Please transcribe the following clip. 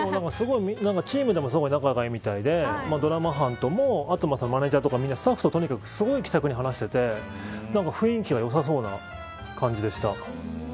チームでもすごい仲がいいみたいでドラマ班ともマネジャーともスタッフともすごい気さくに話していて雰囲気がよさそうな感じでした。